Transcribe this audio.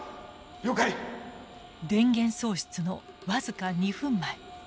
電源喪失の僅か２分前。